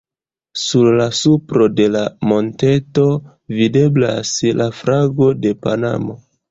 Sur la supro de la monteto, videblas la flago de Panamo.